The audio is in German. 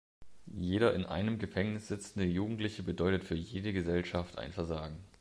Jeder in einem Gefängnis sitzende Jugendliche bedeutet für jede Gesellschaft ein Versagen.